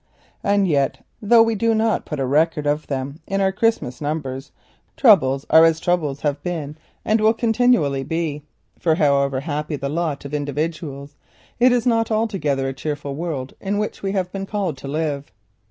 And yet, though we do not put a record of them in our Christmas numbers, troubles are as troubles have been and will continually be, for however apparently happy the lot of individuals, it is not altogether a cheerful world in which we have been called to live.